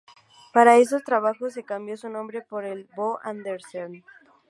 Para estos trabajos se cambió su nombre por el de "Bo Andersen".